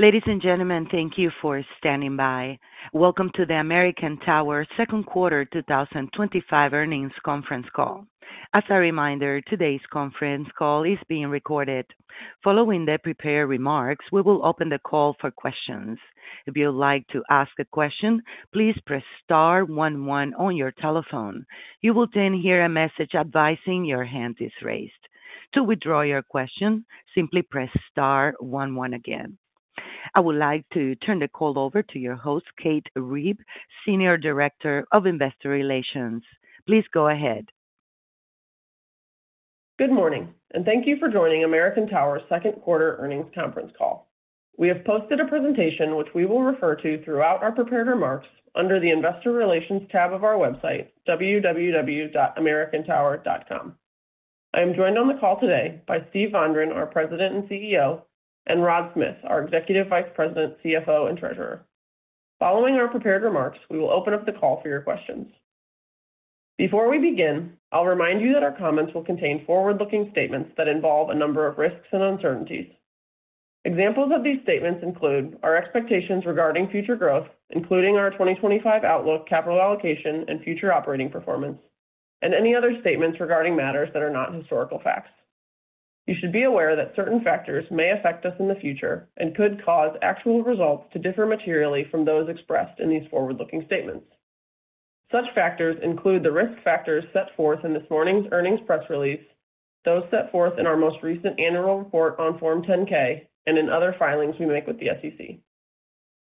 Ladies and gentlemen, thank you for standing by. Welcome to the American Tower Second Quarter 2025 earnings conference call. As a reminder, today's conference call is being recorded. Following the prepared remarks, we will open the call for questions. If you'd like to ask a question, please press Star 11 on your telephone. You will then hear a message advising your hand is raised. To withdraw your question, simply press Star 11 again. I would like to turn the call over to your host, Kate Reeb, Senior Director of Investor Relations. Please go ahead. Good morning, and thank you for joining American Tower Second Quarter earnings conference call. We have posted a presentation which we will refer to throughout our prepared remarks under the Investor Relations tab of our website, www.americantower.com. I am joined on the call today by Steve Vondran, our President and CEO, and Rod Smith, our Executive Vice President, CFO, and Treasurer. Following our prepared remarks, we will open up the call for your questions. Before we begin, I'll remind you that our comments will contain forward-looking statements that involve a number of risks and uncertainties. Examples of these statements include our expectations regarding future growth, including our 2025 outlook, capital allocation, and future operating performance, and any other statements regarding matters that are not historical facts. You should be aware that certain factors may affect us in the future and could cause actual results to differ materially from those expressed in these forward-looking statements. Such factors include the risk factors set forth in this morning's earnings press release, those set forth in our most recent annual report on Form 10-K, and in other filings we make with the SEC.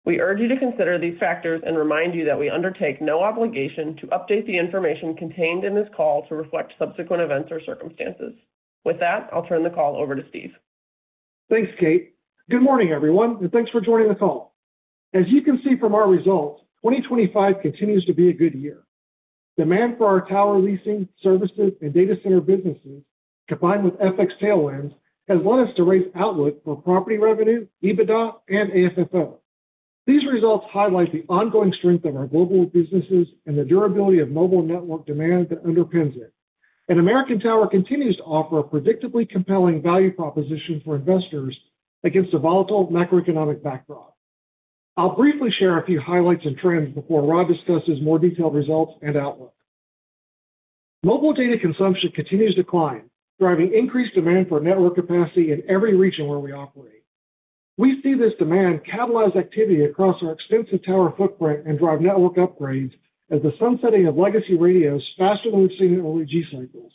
We urge you to consider these factors and remind you that we undertake no obligation to update the information contained in this call to reflect subsequent events or circumstances. With that, I'll turn the call over to Steve. Thanks, Kate. Good morning, everyone, and thanks for joining the call. As you can see from our results, 2025 continues to be a good year. Demand for our tower leasing, services, and data center businesses, combined with FX tailwinds, has led us to raise outlook for property revenue, EBITDA, and AFFO. These results highlight the ongoing strength of our global businesses and the durability of mobile network demand that underpins it. American Tower continues to offer a predictably compelling value proposition for investors against a volatile macroeconomic backdrop. I'll briefly share a few highlights and trends before Rod discusses more detailed results and outlook. Mobile data consumption continues to climb, driving increased demand for network capacity in every region where we operate. We see this demand catalyze activity across our extensive tower footprint and drive network upgrades as the sunsetting of legacy radios is faster than we've seen in early G cycles.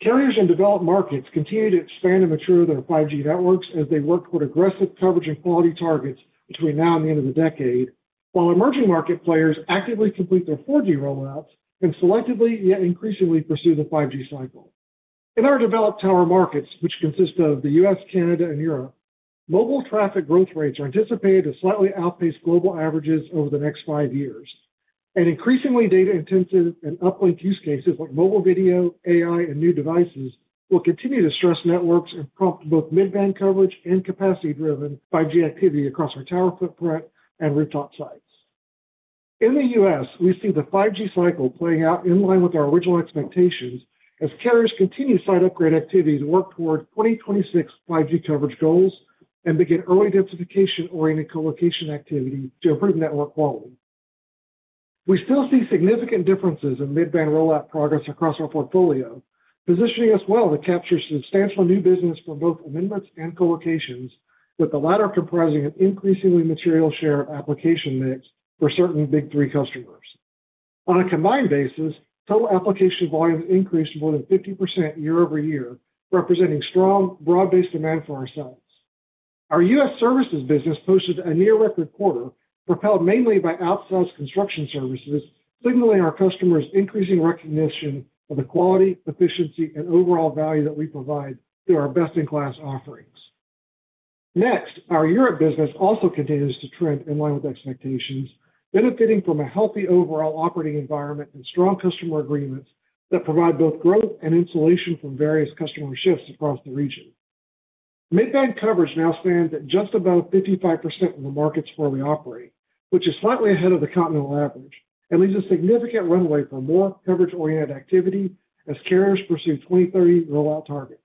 Carriers in developed markets continue to expand and mature their 5G networks as they work toward aggressive coverage and quality targets between now and the end of the decade, while emerging market players actively complete their 4G rollouts and selectively, yet increasingly, pursue the 5G cycle. In our developed tower markets, which consist of the U.S., Canada, and Europe, mobile traffic growth rates are anticipated to slightly outpace global averages over the next five years. Increasingly data-intensive and uplink use cases like mobile video, AI, and new devices will continue to stress networks and prompt both mid-band coverage and capacity-driven 5G activity across our tower footprint and rooftop sites. In the U.S., we see the 5G cycle playing out in line with our original expectations as carriers continue site upgrade activities to work toward 2026 5G coverage goals and begin early densification-oriented colocation activity to improve network quality. We still see significant differences in mid-band rollout progress across our portfolio, positioning us well to capture substantial new business for both amendments and colocations, with the latter comprising an increasingly material share of application mix for certain Big 3 customers. On a combined basis, total application volume increased more than 50% year-over-year, representing strong, broad-based demand for ourselves. Our U.S. services business posted a near-record quarter, propelled mainly by outsized construction services, signaling our customers' increasing recognition of the quality, efficiency, and overall value that we provide through our best-in-class offerings. Next, our Europe business also continues to trend in line with expectations, benefiting from a healthy overall operating environment and strong customer agreements that provide both growth and insulation from various customer shifts across the region. Mid-band coverage now stands at just above 55% of the markets where we operate, which is slightly ahead of the continental average, and leaves a significant runway for more coverage-oriented activity as carriers pursue 2030 rollout targets.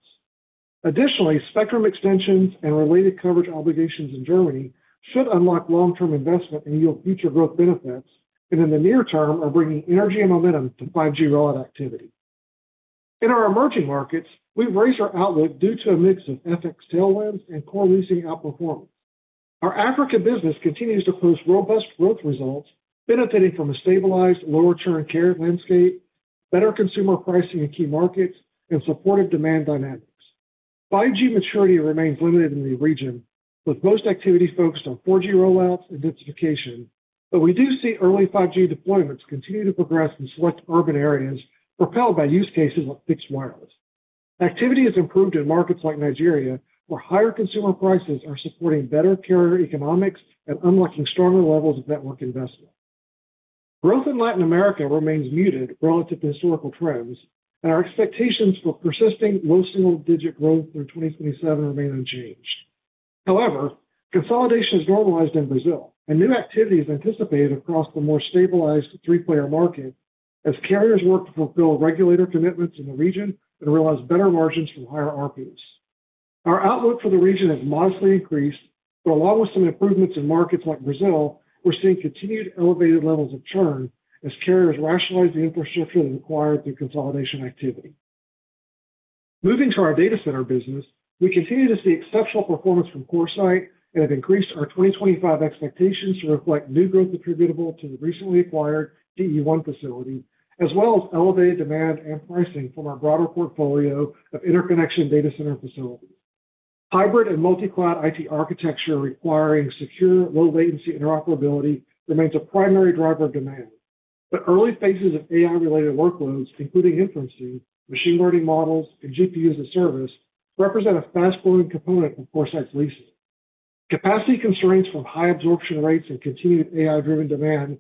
Additionally, spectrum extensions and related coverage obligations in Germany should unlock long-term investment and yield future growth benefits, and in the near term are bringing energy and momentum to 5G rollout activity. In our emerging markets, we've raised our outlook due to a mix of FX tailwinds and core leasing outperformance. Our Africa business continues to post robust growth results, benefiting from a stabilized, lower-turn carrier landscape, better consumer pricing in key markets, and supportive demand dynamics. 5G maturity remains limited in the region, with most activity focused on 4G rollouts and densification, but we do see early 5G deployments continue to progress in select urban areas, propelled by use cases like fixed wireless. Activity has improved in markets like Nigeria, where higher consumer prices are supporting better carrier economics and unlocking stronger levels of network investment. Growth in Latin America remains muted relative to historical trends, and our expectations for persisting low-single-digit growth through 2027 remain unchanged. However, consolidation has normalized in Brazil, and new activity is anticipated across the more stabilized three-player market as carriers work to fulfill regulator commitments in the region and realize better margins from higher RPs. Our outlook for the region has modestly increased, but along with some improvements in markets like Brazil, we're seeing continued elevated levels of churn as carriers rationalize the infrastructure required through consolidation activity. Moving to our data center business, we continue to see exceptional performance from CoreSite and have increased our 2025 expectations to reflect new growth attributable to the recently acquired DE1 facility, as well as elevated demand and pricing from our broader portfolio of interconnection data center facilities. Hybrid and multi-cloud IT architecture requiring secure, low-latency interoperability remains a primary driver of demand, but early phases of AI-related workloads, including inferencing, machine learning models, and GPUs as a service, represent a fast-growing component of CoreSite's leasing. Capacity constraints from high absorption rates and continued AI-driven demand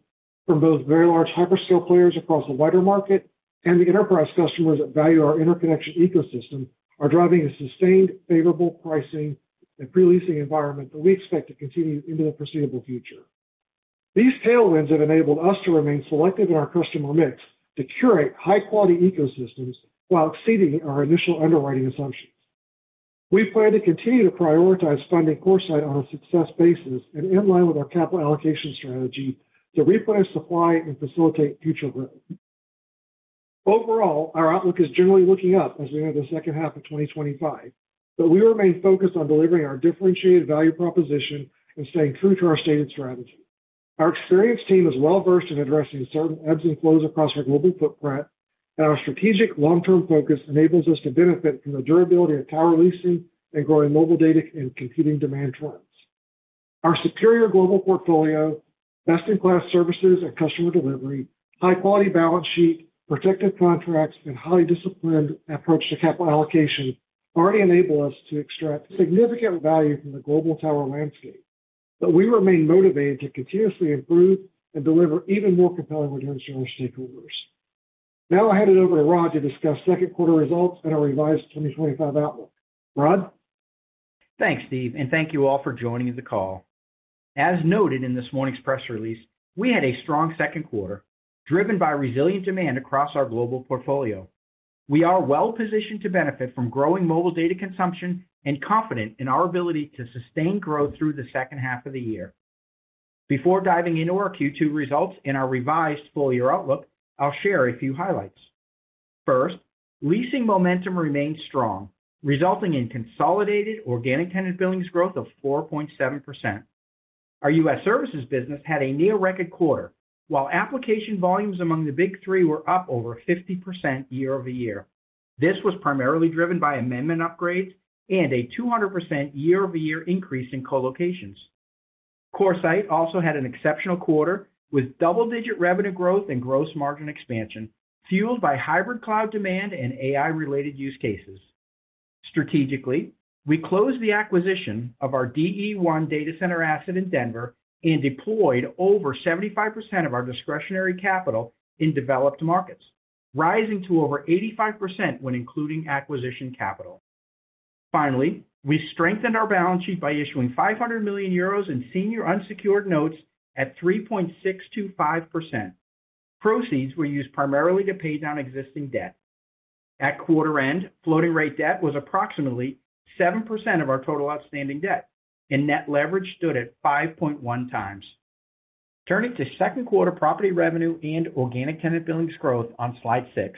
from both very large hyperscale players across the wider market and the enterprise customers that value our interconnection ecosystem are driving a sustained, favorable pricing and pre-leasing environment that we expect to continue into the foreseeable future. These tailwinds have enabled us to remain selective in our customer mix to curate high-quality ecosystems while exceeding our initial underwriting assumptions. We plan to continue to prioritize funding CoreSite on a success basis and in line with our capital allocation strategy to refinance supply and facilitate future growth. Overall, our outlook is generally looking up as we enter the second half of 2025, but we remain focused on delivering our differentiated value proposition and staying true to our stated strategy. Our experienced team is well-versed in addressing certain ebbs and flows across our global footprint, and our strategic long-term focus enables us to benefit from the durability of power leasing and growing mobile data and computing demand trends. Our superior global portfolio, best-in-class services at customer delivery, high-quality balance sheet, protective contracts, and highly disciplined approach to capital allocation already enable us to extract significant value from the global tower landscape, but we remain motivated to continuously improve and deliver even more compelling returns to our stakeholders. Now I'll hand it over to Rod to discuss second quarter results and our revised 2025 outlook. Rod? Thanks, Steve, and thank you all for joining the call. As noted in this morning's press release, we had a strong second quarter driven by resilient demand across our global portfolio. We are well-positioned to benefit from growing mobile data consumption and confident in our ability to sustain growth through the second half of the year. Before diving into our Q2 results and our revised full-year outlook, I'll share a few highlights. First, leasing momentum remained strong, resulting in consolidated organic tenant billings growth of 4.7%. Our U.S. services business had a near-record quarter, while application volumes among the Big 3 were up over 50% year-over-year. This was primarily driven by amendment upgrades and a 200% year-over-year increase in colocations. CoreSite also had an exceptional quarter with double-digit revenue growth and gross margin expansion, fueled by hybrid cloud demand and AI-related use cases. Strategically, we closed the acquisition of our DE1 data center asset in Denver and deployed over 75% of our discretionary capital in developed markets, rising to over 85% when including acquisition capital. Finally, we strengthened our balance sheet by issuing 500 million euros in senior unsecured notes at 3.625%. Proceeds were used primarily to pay down existing debt. At quarter-end, floating-rate debt was approximately 7% of our total outstanding debt, and net leverage stood at 5.1x. Turning to second quarter property revenue and organic tenant billings growth on slide six,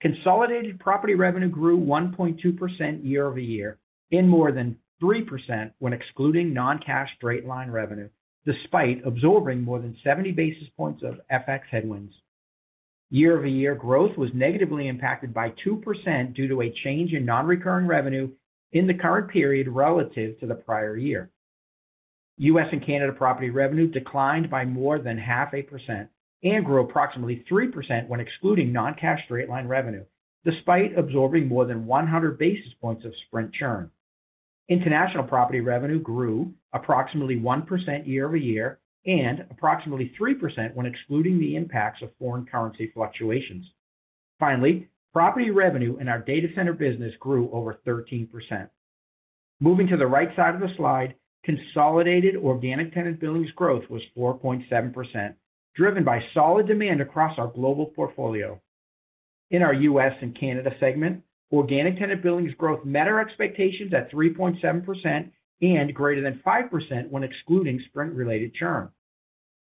consolidated property revenue grew 1.2% year-over-year and more than 3% when excluding non-cash straight-line revenue, despite absorbing more than 70 basis points of foreign exchange headwinds. Year-over-year growth was negatively impacted by 2% due to a change in non-recurring revenue in the current period relative to the prior year. U.S. and Canada property revenue declined by more than half a percent and grew approximately 3% when excluding non-cash straight-line revenue, despite absorbing more than 100 basis points of Sprint churn. International property revenue grew approximately 1% year-over-year and approximately 3% when excluding the impacts of foreign currency fluctuations. Finally, property revenue in our data center business grew over 13%. Moving to the right side of the slide, consolidated organic tenant billings growth was 4.7%, driven by solid demand across our global portfolio. In our U.S. and Canada segment, organic tenant billings growth met our expectations at 3.7% and greater than 5% when excluding Sprint-related churn.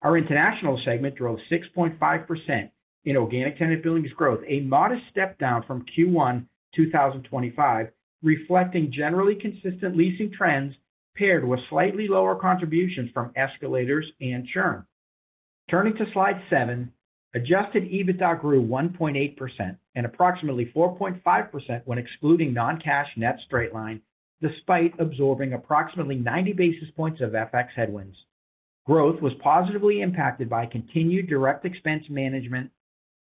Our international segment drove 6.5% in organic tenant billings growth, a modest step down from Q1 2025, reflecting generally consistent leasing trends paired with slightly lower contributions from escalators and churn. Turning to slide seven, adjusted EBITDA grew 1.8% and approximately 4.5% when excluding non-cash net straight-line, despite absorbing approximately 90 basis points of FX headwinds. Growth was positively impacted by continued direct expense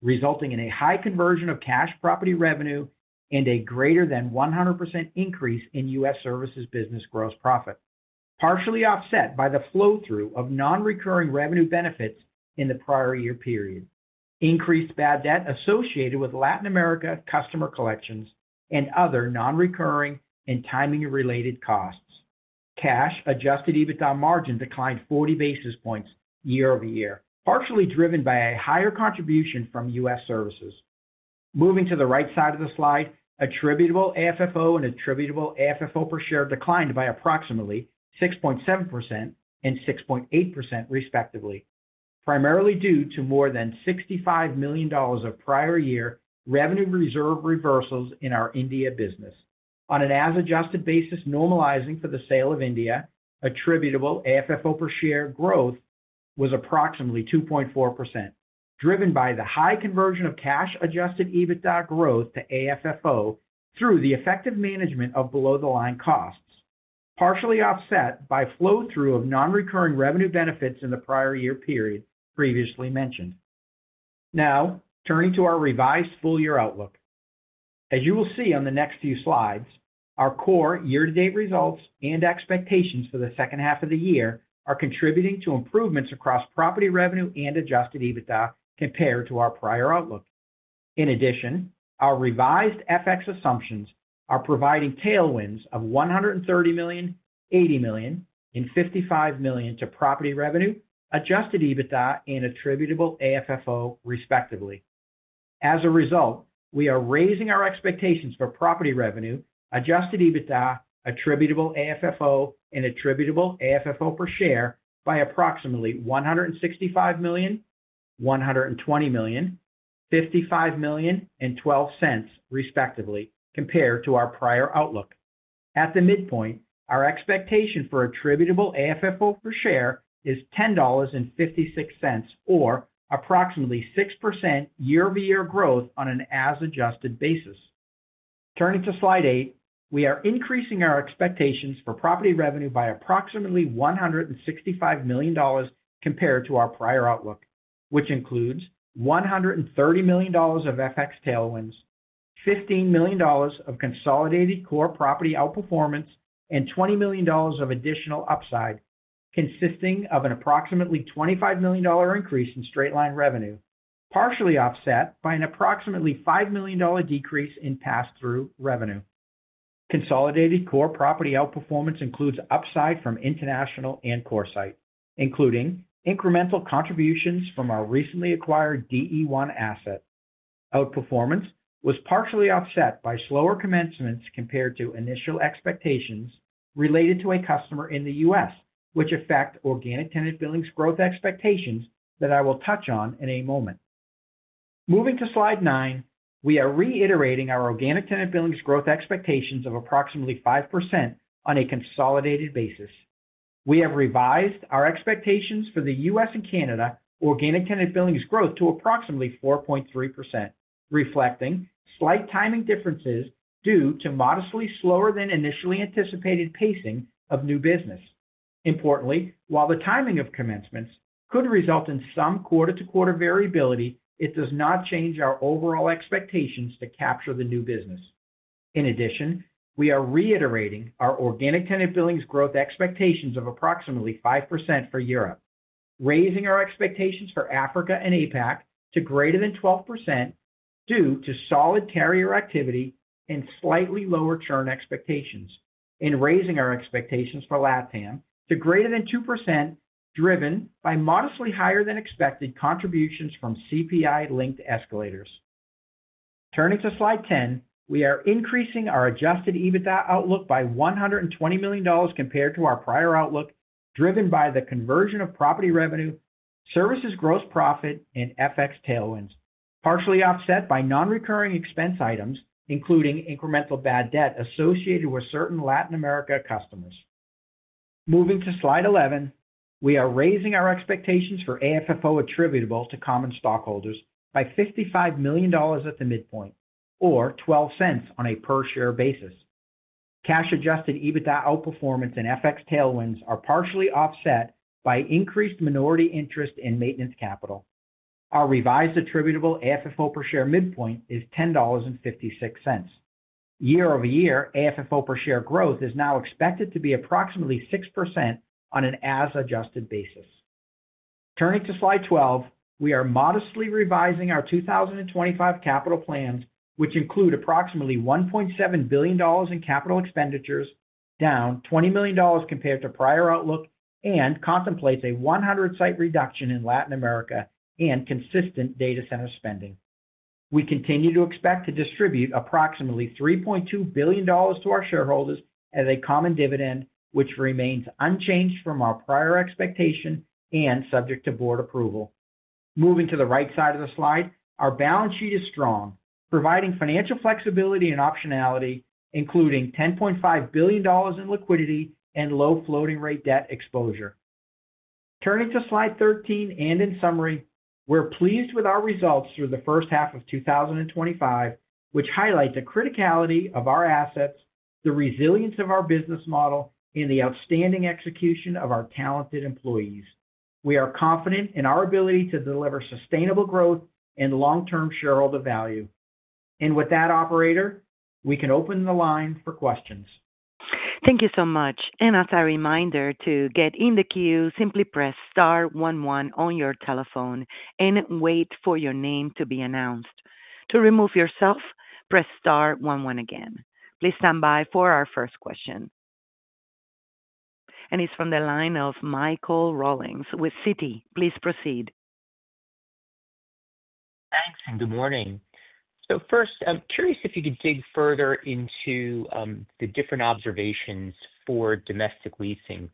management, resulting in a high conversion of cash property revenue and a greater than 100% increase in U.S. services business gross profit, partially offset by the flow-through of non-recurring revenue benefits in the prior year period, increased bad debt associated with Latin America customer collections and other non-recurring and timing-related costs. Cash adjusted EBITDA margin declined 40 basis points year-over-year, partially driven by a higher contribution from U.S. services. Moving to the right side of the slide, attributable AFFO and attributable AFFO per share declined by approximately 6.7% and 6.8%, respectively, primarily due to more than $65 million of prior year revenue reserve reversals in our India business. On an as-adjusted basis, normalizing for the sale of India, attributable AFFO per share growth was approximately 2.4%, driven by the high conversion of cash adjusted EBITDA growth to AFFO through the effective management of below-the-line costs, partially offset by flow-through of non-recurring revenue benefits in the prior year period previously mentioned. Now, turning to our revised full-year outlook. As you will see on the next few slides, our core year-to-date results and expectations for the second half of the year are contributing to improvements across property revenue and adjusted EBITDA compared to our prior outlook. In addition, our revised FX assumptions are providing tailwinds of $130 million, $80 million, and $55 million to property revenue, adjusted EBITDA, and attributable AFFO, respectively. As a result, we are raising our expectations for property revenue, adjusted EBITDA, attributable AFFO, and attributable AFFO per share by approximately $165 million, $120 million, $55 million and $0.12, respectively, compared to our prior outlook. At the midpoint, our expectation for attributable AFFO per share is $10.56, or approximately 6% year-over-year growth on an as-adjusted basis. Turning to slide eight, we are increasing our expectations for property revenue by approximately $165 million compared to our prior outlook, which includes $130 million of FX tailwinds, $15 million of consolidated core property outperformance, and $20 million of additional upside, consisting of an approximately $25 million increase in straight-line revenue, partially offset by an approximately $5 million decrease in pass-through revenue. Consolidated core property outperformance includes upside from international and CoreSite, including incremental contributions from our recently acquired DE1 asset. Outperformance was partially offset by slower commencements compared to initial expectations related to a customer in the U.S., which affect organic tenant billings growth expectations that I will touch on in a moment. Moving to slide nine, we are reiterating our organic tenant billings growth expectations of approximately 5% on a consolidated basis. We have revised our expectations for the U.S. and Canada organic tenant billings growth to approximately 4.3%, reflecting slight timing differences due to modestly slower than initially anticipated pacing of new business. Importantly, while the timing of commencements could result in some quarter-to-quarter variability, it does not change our overall expectations to capture the new business. In addition, we are reiterating our organic tenant billings growth expectations of approximately 5% for Europe, raising our expectations for Africa and APAC to greater than 12% due to solid carrier activity and slightly lower churn expectations, and raising our expectations for Latin to greater than 2%, driven by modestly higher-than-expected contributions from CPI-linked escalators. Turning to slide ten, we are increasing our adjusted EBITDA outlook by $120 million compared to our prior outlook, driven by the conversion of property revenue, services gross profit, and FX tailwinds, partially offset by non-recurring expense items, including incremental bad debt associated with certain Latin America customers. Moving to slide eleven, we are raising our expectations for AFFO attributable to common stockholders by $55 million at the midpoint, or $0.12 on a per-share basis. Cash adjusted EBITDA outperformance and FX tailwinds are partially offset by increased minority interest and maintenance capital. Our revised attributable AFFO per share midpoint is $10.56. Year-over-year AFFO per share growth is now expected to be approximately 6% on an as-adjusted basis. Turning to slide twelve, we are modestly revising our 2025 capital plans, which include approximately $1.7 billion in capital expenditures, down $20 million compared to prior outlook, and contemplates a 100-site reduction in Latin America and consistent data center spending. We continue to expect to distribute approximately $3.2 billion to our shareholders as a common dividend, which remains unchanged from our prior expectation and subject to board approval. Moving to the right side of the slide, our balance sheet is strong, providing financial flexibility and optionality, including $10.5 billion in liquidity and low floating-rate debt exposure. Turning to slide thirteen and in summary, we're pleased with our results through the first half of 2025, which highlight the criticality of our assets, the resilience of our business model, and the outstanding execution of our talented employees. We are confident in our ability to deliver sustainable growth and long-term shareholder value. With that, operator, we can open the line for questions. Thank you so much. As a reminder, to get in the queue, simply press star 11 on your telephone and wait for your name to be announced. To remove yourself, press star 11 again. Please stand by for our first question. It is from the line of Michael Rollins with Citi. Please proceed. Thanks and good morning. First, I'm curious if you could dig further into the different observations for domestic leasing.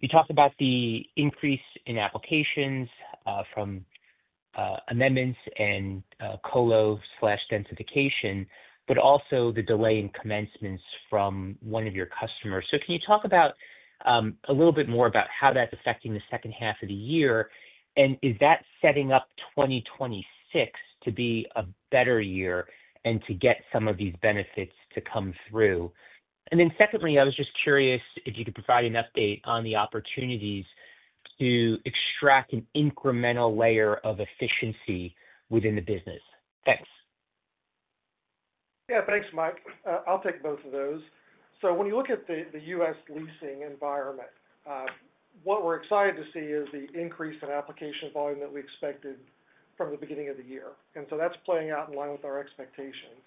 You talked about the increase in applications from amendments and colo/densification, but also the delay in commencements from one of your customers. Can you talk a little bit more about how that's affecting the second half of the year? Is that setting up 2026 to be a better year and to get some of these benefits to come through? Secondly, I was just curious if you could provide an update on the opportunities to extract an incremental layer of efficiency within the business. Thanks. Yeah, thanks, Mike. I'll take both of those. When you look at the U.S. leasing environment, what we're excited to see is the increase in application volume that we expected from the beginning of the year. That's playing out in line with our expectations.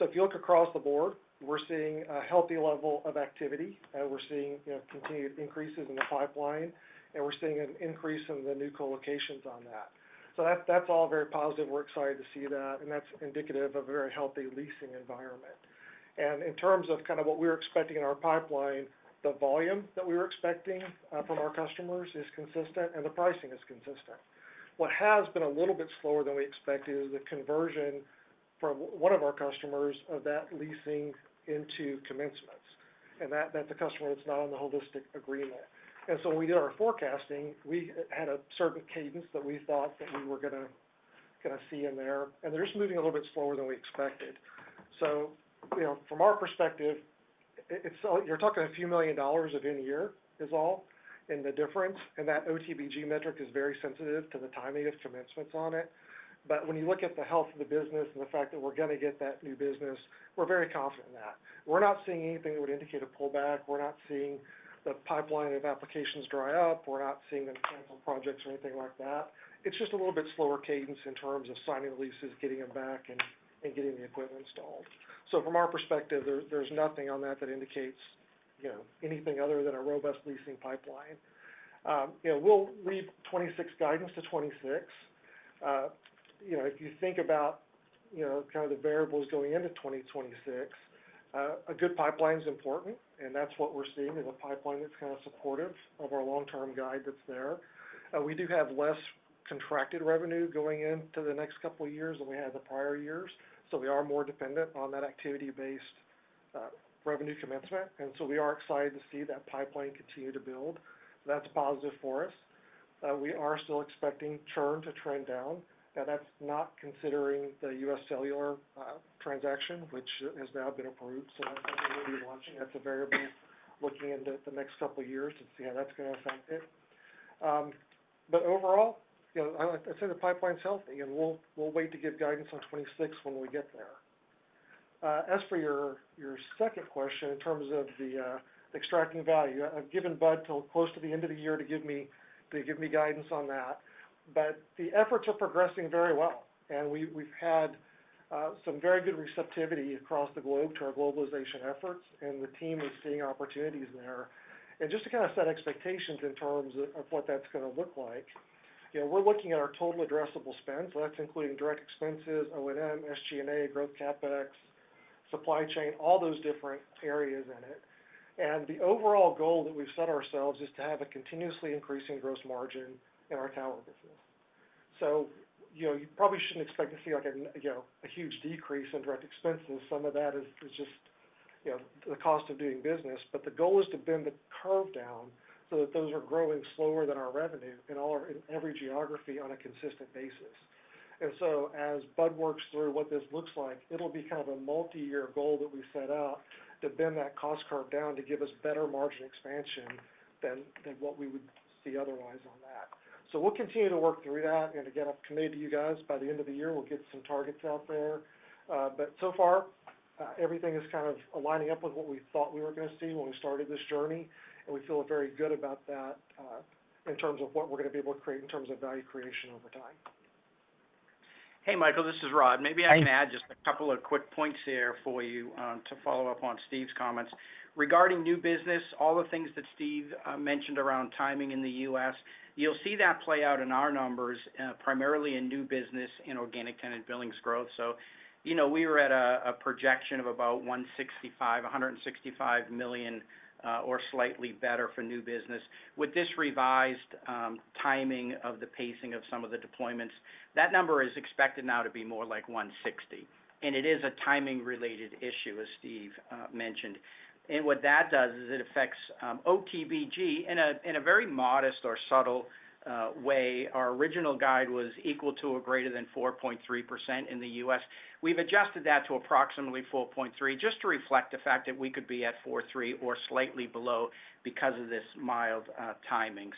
If you look across the board, we're seeing a healthy level of activity, and we're seeing continued increases in the pipeline, and we're seeing an increase in the new colocations on that. That's all very positive. We're excited to see that, and that's indicative of a very healthy leasing environment. In terms of kind of what we were expecting in our pipeline, the volume that we were expecting from our customers is consistent, and the pricing is consistent. What has been a little bit slower than we expected is the conversion from one of our customers of that leasing into commencements, and that's a customer that's not on the holistic agreement. When we did our forecasting, we had a survey cadence that we thought that we were going to see in there, and they're just moving a little bit slower than we expected. From our perspective, you're talking a few million dollars of in-year is all in the difference, and that OTBG metric is very sensitive to the timing of commencements on it. When you look at the health of the business and the fact that we're going to get that new business, we're very confident in that. We're not seeing anything that would indicate a pullback. We're not seeing the pipeline of applications dry up. We're not seeing them cancel projects or anything like that. It's just a little bit slower cadence in terms of signing the leases, getting them back, and getting the equipment installed. From our perspective, there's nothing on that that indicates anything other than a robust leasing pipeline. We'll leave 2026 guidance to 2026. If you think about kind of the variables going into 2026, a good pipeline is important, and that's what we're seeing is a pipeline that's kind of supportive of our long-term guide that's there. We do have less contracted revenue going into the next couple of years than we had the prior years, so we are more dependent on that activity-based revenue commencement. We are excited to see that pipeline continue to build. That's a positive for us. We are still expecting churn to trend down. Now, that's not considering U.S. Cellular transaction, which has now been approved. That's going to be a lot of chance of variables looking into the next couple of years to see how that's going to affect it. Overall, I'd say the pipeline is healthy, and we'll wait to give guidance on 2026 when we get there. As for your second question, in terms of the extracting value, I've given Bud close to the end of the year to give me guidance on that. The efforts are progressing very well, and we've had some very good receptivity across the globe to our globalization efforts, and the team is seeing opportunities there. Just to kind of set expectations in terms of what that's going to look like, we're looking at our total addressable spend. That's including direct expenses, O&M, SG&A, growth CapEx, supply chain, all those different areas in it. The overall goal that we've set ourselves is to have a continuously increasing gross margin in our tower business. You probably shouldn't expect to see a huge decrease in direct expenses. Some of that is just the cost of doing business. The goal is to bend the curve down so that those are growing slower than our revenue in every geography on a consistent basis. As Bud works through what this looks like, it'll be kind of a multi-year goal that we set out to bend that cost curve down to give us better margin expansion than what we would see otherwise on that. We'll continue to work through that. Again, I'll convey to you guys by the end of the year, we'll get some targets out there. So far, everything is kind of aligning up with what we thought we were going to see when we started this journey. We feel very good about that in terms of what we're going to be able to create in terms of value creation over time. Hey, Michael, this is Rod. Maybe I can add just a couple of quick points here for you to follow up on Steve's comments. Regarding new business, all the things that Steve mentioned around timing in the U.S., you'll see that play out in our numbers, primarily in new business in organic tenant billings growth. We were at a projection of about $165 million or slightly better for new business. With this revised timing of the pacing of some of the deployments, that number is expected now to be more like $160 million. It is a timing-related issue, as Steve mentioned. What that does is it affects OTBG in a very modest or subtle way. Our original guide was equal to or greater than 4.3% in the U.S. We've adjusted that to approximately 4.3% just to reflect the fact that we could be at 4.3% or slightly below because of this mild timing.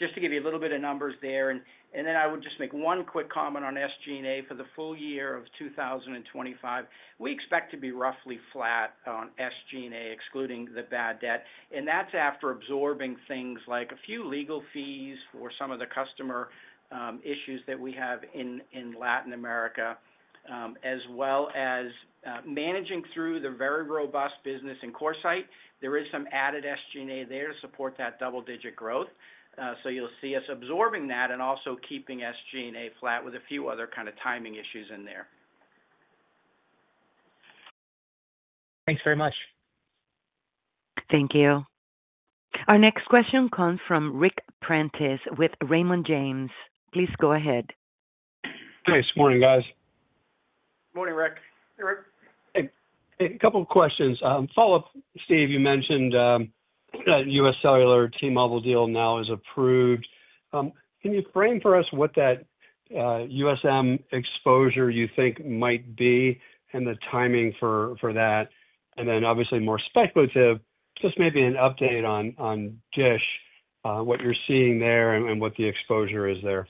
Just to give you a little bit of numbers there, and then I would just make one quick comment on SG&A for the full year of 2025. We expect to be roughly flat on SG&A, excluding the bad debt. That's after absorbing things like a few legal fees for some of the customer issues that we have in Latin America, as well as managing through the very robust business in CoreSite. There is some added SG&A there to support that double-digit growth. You'll see us absorbing that and also keeping SG&A flat with a few other kind of timing issues in there. Thanks very much. Thank you. Our next question comes from Ric Prentiss with Raymond James. Please go ahead. Hey, good morning, guys. Morning, Ric. Hey, Ric. A couple of questions. Follow-up, Steve, you U.S. Cellular T-mobile deal now is approved. Can you frame for us what that USM exposure you think might be and the timing for that? Obviously more speculative, just maybe an update on DISH, what you're seeing there and what the exposure is there.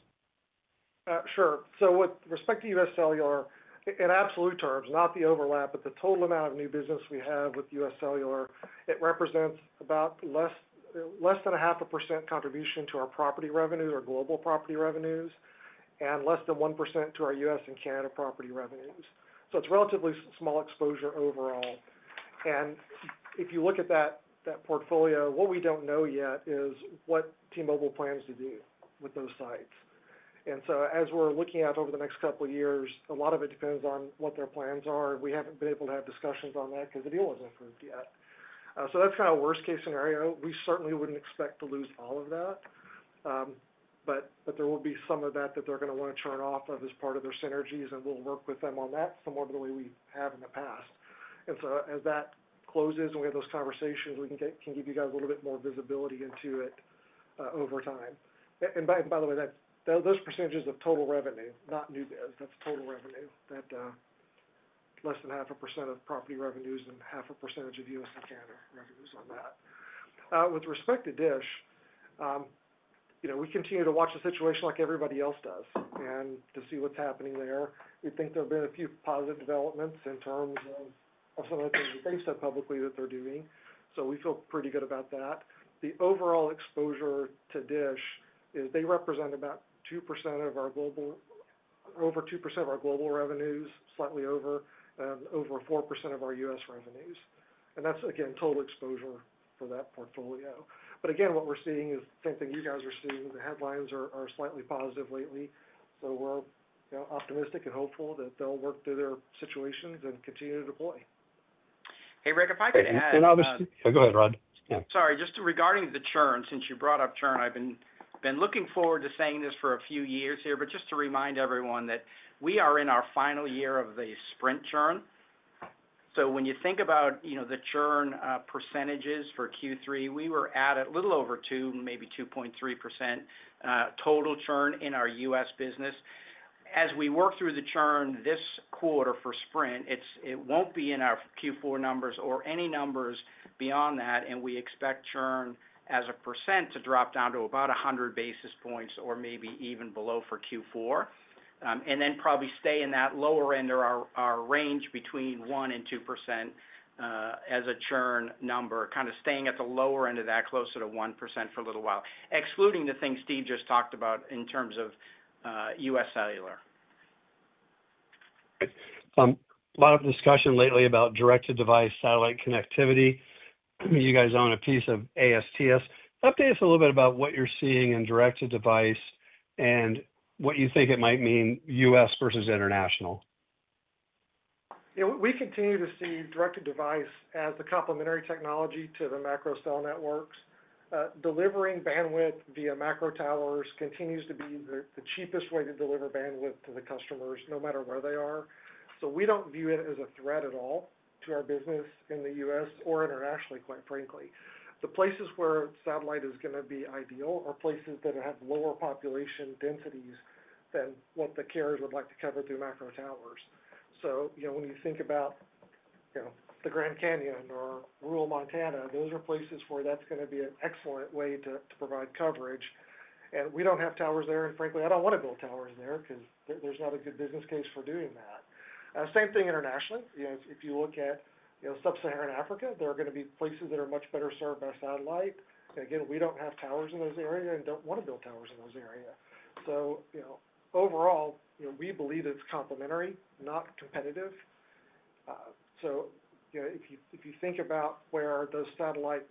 Sure. With respect U.S. Cellular, in absolute terms, not the overlap, but the total amount of new business we have U.S. Cellular, it represents about less than 0.5% contribution to our property revenues, our global property revenues, and less than 1% to our U.S. and Canada property revenues. It is relatively small exposure overall. If you look at that portfolio, what we do not know yet is what T-mobile plans to do with those sites. As we are looking at over the next couple of years, a lot of it depends on what their plans are. We have not been able to have discussions on that because the deal was not approved yet. That is kind of a worst-case scenario. We certainly would not expect to lose all of that. There will be some of that that they are going to want to turn off as part of their synergies, and we will work with them on that similar to the way we have in the past. As that closes and we have those conversations, we can give you guys a little bit more visibility into it over time. By the way, those percentages are of total revenue, not new business, that is total revenue, that less than 0.5% of property revenues and 0.5% of U.S. and Canada revenues on that. With respect to DISH, we continue to watch the situation like everybody else does and to see what is happening there. We think there have been a few positive developments in terms of some of the things they said publicly that they are doing. We feel pretty good about that. The overall exposure to DISH is they represent about 2% of our global, over 2% of our global revenues, slightly over 4% of our U.S. revenues. That is, again, total exposure for that portfolio. What we are seeing is the same thing you guys are seeing. The headlines are slightly positive lately. We are optimistic and hopeful that they will work through their situations and continue to deploy. Hey, Ric, if I could add— Go ahead, Rod. Sorry, just regarding the churn, since you brought up churn, I've been looking forward to saying this for a few years here, but just to remind everyone that we are in our final year of the Sprint churn. So when you think about the churn percentages for Q3, we were at a little over 2%, maybe 2.3%. Total churn in our U.S. business. As we work through the churn this quarter for Sprint, it won't be in our Q4 numbers or any numbers beyond that. We expect churn as a percent to drop down to about 100 basis points or maybe even below for Q4. Then probably stay in that lower end of our range between 1% and 2%. As a churn number, kind of staying at the lower end of that, closer to 1% for a little while, excluding the things Steve just talked about in terms of U.S. Cellular. A lot of discussion lately about direct-to-device satellite connectivity. You guys own a piece of ASTS. Update us a little bit about what you're seeing in direct-to-device and what you think it might mean U.S. versus international. We continue to see direct-to-device as the complementary technology to the macro cell networks. Delivering bandwidth via macro towers continues to be the cheapest way to deliver bandwidth to the customers, no matter where they are. We do not view it as a threat at all to our business in the U.S. or internationally, quite frankly. The places where satellite is going to be ideal are places that have lower population densities than what the carriers would like to cover through macro towers. When you think about the Grand Canyon or rural Montana, those are places where that is going to be an excellent way to provide coverage. We do not have towers there. Frankly, I do not want to build towers there because there is not a good business case for doing that. Same thing internationally. If you look at Sub-Saharan Africa, there are going to be places that are much better served by satellite. Again, we do not have towers in those areas and do not want to build towers in those areas. Overall, we believe it is complementary, not competitive. If you think about where the satellite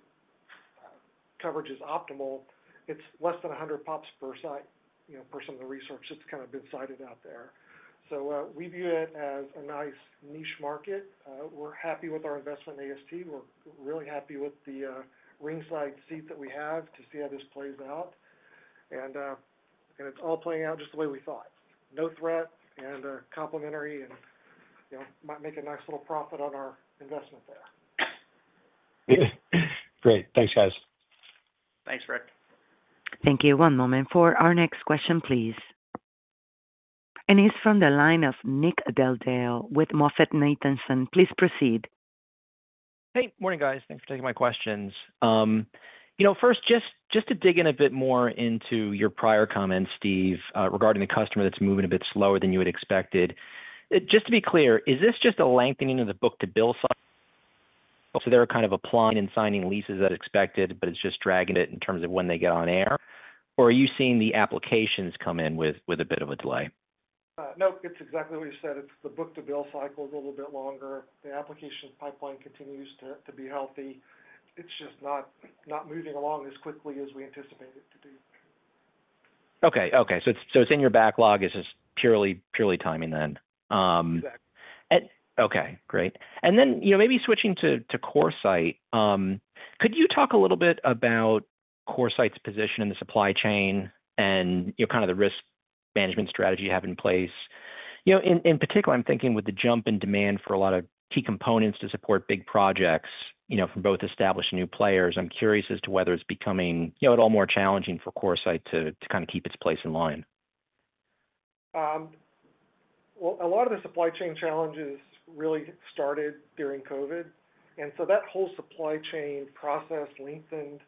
coverage is optimal, it is less than 100 pops per site per some of the research that has been cited out there. We view it as a nice niche market. We are happy with our investment in AST. We are really happy with the ringside seat that we have to see how this plays out. It is all playing out just the way we thought. No threat and complementary and might make a nice little profit on our investment there. Great. Thanks, guys. Thanks, Ric. Thank you. One moment for our next question, please. He is from the line of Nick Del Deo with MoffettNathanson. Please proceed. Hey, morning, guys. Thanks for taking my questions. First, just to dig in a bit more into your prior comments, Steve, regarding the customer that's moving a bit slower than you had expected. Just to be clear, is this just a lengthening of the book-to-bill cycle? So they're kind of applying and signing leases as expected, but it's just dragging it in terms of when they get on air. Or are you seeing the applications come in with a bit of a delay? No, it's exactly what you said. It's the book-to-bill cycle is a little bit longer. The application pipeline continues to be healthy. It's just not moving along as quickly as we anticipated it to do. Okay. Okay. So it's in your backlog. It's just purely timing then. Exactly. Okay. Great. Maybe switching to CoreSite. Could you talk a little bit about CoreSite's position in the supply chain and kind of the risk management strategy you have in place? In particular, I'm thinking with the jump in demand for a lot of key components to support big projects from both established and new players. I'm curious as to whether it's becoming at all more challenging for CoreSite to kind of keep its place in line. A lot of the supply chain challenges really started during COVID. That whole supply chain process lengthened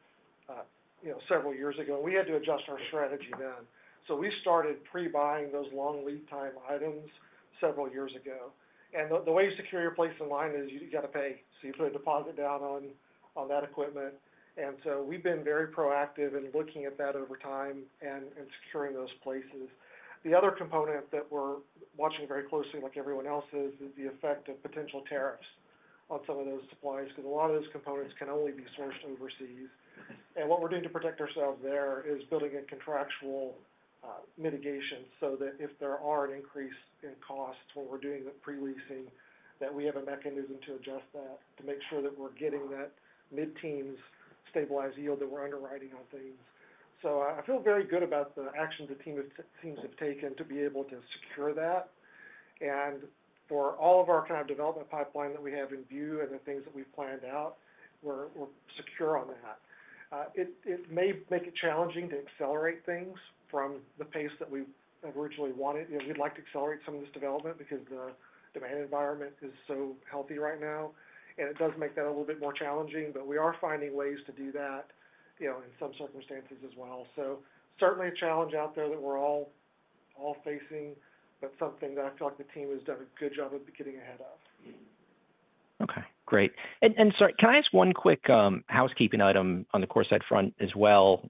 several years ago, and we had to adjust our strategy then. We started pre-buying those long lead time items several years ago. The way you secure your place in line is you got to pay, so you put a deposit down on that equipment. We have been very proactive in looking at that over time and securing those places. The other component that we're watching very closely, like everyone else is, is the effect of potential tariffs on some of those supplies because a lot of those components can only be sourced overseas. What we're doing to protect ourselves there is building a contractual mitigation so that if there are an increase in costs when we're doing the pre-leasing, we have a mechanism to adjust that to make sure that we're getting that mid-teens stabilized yield that we're underwriting on things. I feel very good about the actions the teams have taken to be able to secure that. For all of our kind of development pipeline that we have in view and the things that we've planned out, we're secure on that. It may make it challenging to accelerate things from the pace that we originally wanted. We'd like to accelerate some of this development because the demand environment is so healthy right now. It does make that a little bit more challenging, but we are finding ways to do that in some circumstances as well. Certainly a challenge out there that we're all facing, but something that I've talked to the team has done a good job of getting ahead of. Okay. Great. Sorry, can I ask one quick housekeeping item on the CoreSite front as well?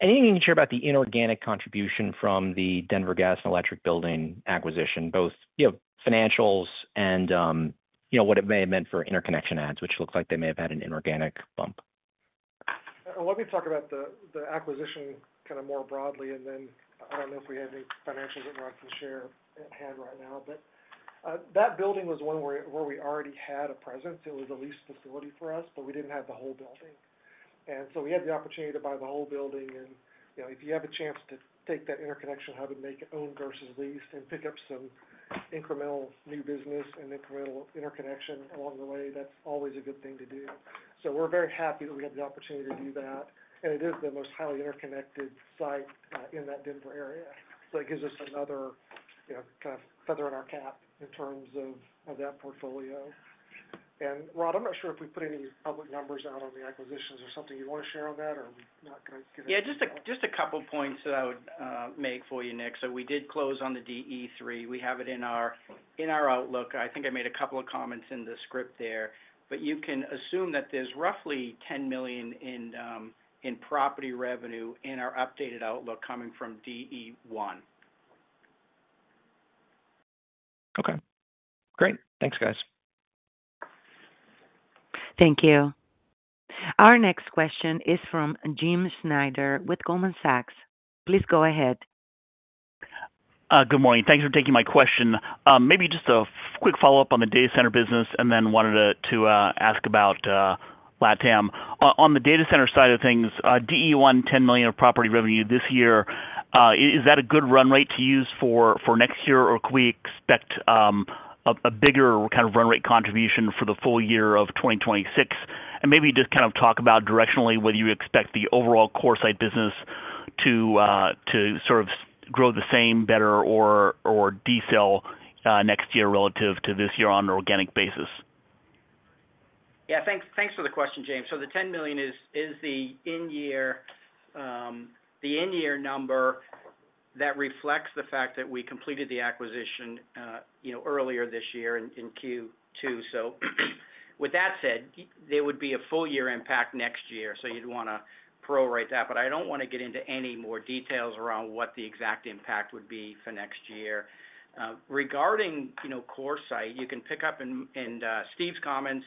Anything you can share about the inorganic contribution from the Denver Gas & Electric Building acquisition, both financials and what it may have meant for interconnection ads, which looks like they may have had an inorganic bump? Let me talk about the acquisition kind of more broadly, and then I do not know if we have any financials that Rod can share at hand right now. That building was one where we already had a presence. It was a leased facility for us, but we did not have the whole building. We had the opportunity to buy the whole building. If you have a chance to take that interconnection, have it make owned versus leased, and pick up some incremental new business and incremental interconnection along the way, that is always a good thing to do. We are very happy that we had the opportunity to do that. It is the most highly interconnected site in that Denver area. It gives us another kind of feather in our cap in terms of that portfolio. Rod, I am not sure if we put any public numbers out on the acquisitions or something you want to share on that or not. Yeah, just a couple of points that I would make for you, Ric. We did close on the DE3. We have it in our outlook. I think I made a couple of comments in the script there, but you can assume that there's roughly $10 million in property revenue in our updated outlook coming from DE1. Okay. Great. Thanks, guys. Thank you. Our next question is from Jim Schneider with Goldman Sachs. Please go ahead. Good morning. Thanks for taking my question. Maybe just a quick follow-up on the data center business and then wanted to ask about Latin. On the data center side of things, DE1, $10 million of property revenue this year. Is that a good run rate to use for next year, or can we expect a bigger kind of run rate contribution for the full year of 2026? And maybe just kind of talk about directionally, whether you expect the overall CoreSite business to sort of grow the same, better, or decel next year relative to this year on an organic basis. Yeah. Thanks for the question, Jim. So the $10 million is the in-year number. That reflects the fact that we completed the acquisition earlier this year in Q2. With that said, there would be a full year impact next year. You'd want to pro-rate that. I don't want to get into any more details around what the exact impact would be for next year. Regarding CoreSite, you can pick up in Steve's comments,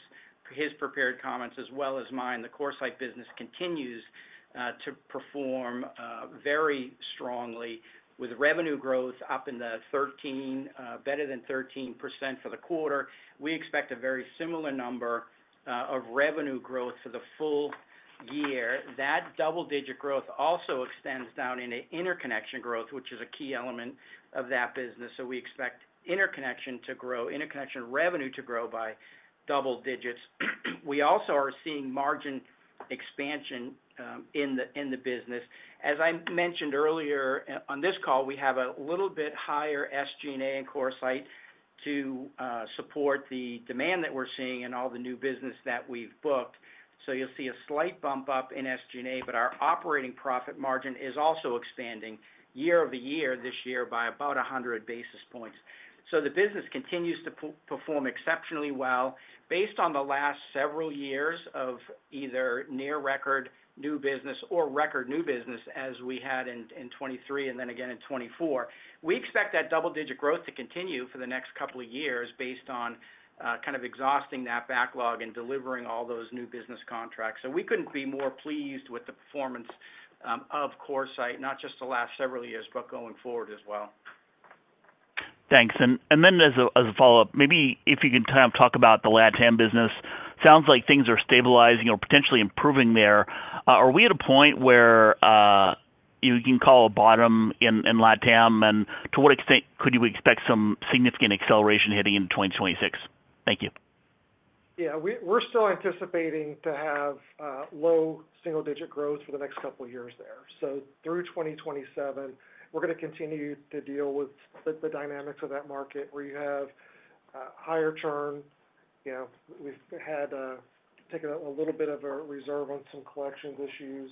his prepared comments, as well as mine. The CoreSite business continues to perform very strongly with revenue growth up in the 13%, better than 13% for the quarter. We expect a very similar number of revenue growth for the full year. That double-digit growth also extends down into interconnection growth, which is a key element of that business. We expect interconnection to grow, interconnection revenue to grow by double digits. We also are seeing margin expansion in the business. As I mentioned earlier on this call, we have a little bit higher SG&A in CoreSite to support the demand that we're seeing and all the new business that we've booked. You'll see a slight bump up in SG&A, but our operating profit margin is also expanding year-over-year this year by about 100 basis points. The business continues to perform exceptionally well. Based on the last several years of either near record new business or record new business as we had in 2023 and then again in 2024, we expect that double-digit growth to continue for the next couple of years based on kind of exhausting that backlog and delivering all those new business contracts. We couldn't be more pleased with the performance of CoreSite, not just the last several years, but going forward as well. Thanks. As a follow-up, maybe if you can kind of talk about the Latam business, sounds like things are stabilizing or potentially improving there. Are we at a point where you can call a bottom in Latam? To what extent could you expect some significant acceleration heading into 2026? Thank you. Yeah. We're still anticipating to have low single-digit growth for the next couple of years there. Through 2027, we're going to continue to deal with the dynamics of that market where you have higher churn. We've had to take a little bit of a reserve on some collections issues